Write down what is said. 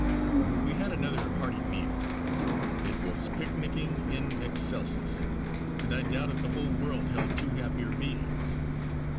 We had another hearty meal. It was pic nic ing in excelsis, and I doubt if the whole world held two happier beings.